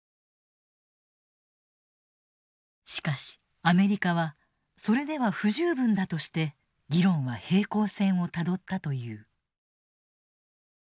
しかしアメリカはそれでは不十分だとして議論は平行線をたどったという。